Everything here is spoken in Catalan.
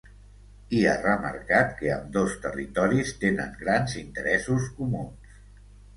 I ha remarcat que ambdós territoris tenen grans interessos comuns.